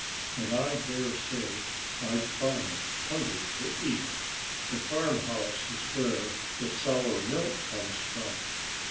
And I dare say I'd find a plenty to eat. The farmhouse is where the sour milk comes from."